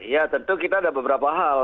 ya tentu kita ada beberapa hal